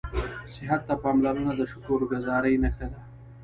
صحت ته پاملرنه د شکرګذارۍ نښه ده